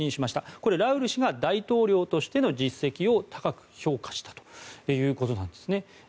これ、ラウル氏が大統領としての実績を高く評価したということです。